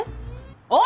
おい！